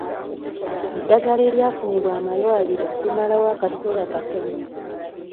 Eddagala eryafunibwa amalwaliro limalawo akaseera katono.